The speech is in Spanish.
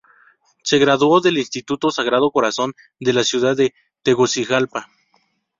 Se graduó del Instituto Sagrado Corazón de la ciudad de Tegucigalpa.